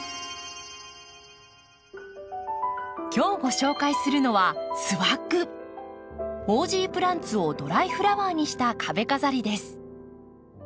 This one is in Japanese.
今日ご紹介するのはオージープランツをドライフラワーにした壁飾りです。